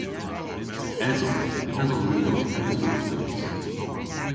Eson. Yth eson ni ow kewsel orthis.